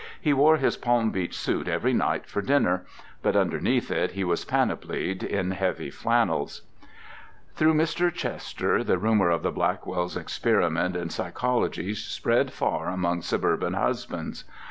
He wore his Palm Beach suit every night for dinner, but underneath it he was panoplied in heavy flannels. Through Mr. Chester the rumour of the Blackwells' experiment in psychology spread far among suburban husbands.